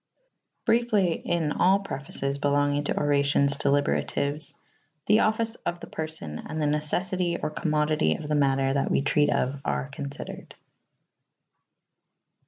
Bryefly in all prefaces belongynge to oracyons delyberatyues the offyce of the perfo« :& the neceffytye or co»zmodytye of the matter that we treate of are confydered.